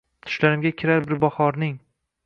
Tushlarimga kirar bir bahorng